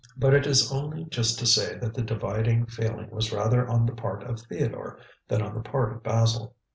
But it is only just to say that the dividing feeling was rather on the part of Theodore than on the part of Basil.